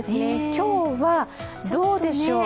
今日はどうでしょう？